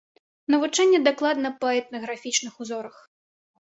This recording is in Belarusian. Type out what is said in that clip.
Навучанне дакладна па этнаграфічных узорах.